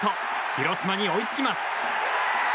広島に追いつきます。